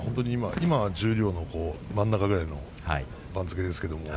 今十両の真ん中ぐらいの番付です。